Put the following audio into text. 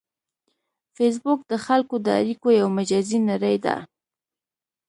فېسبوک د خلکو د اړیکو یو مجازی نړۍ ده